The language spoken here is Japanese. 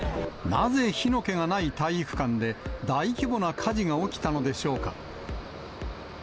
なぜ火の気がない体育館で、大規模な火事が起きたのでしょうか。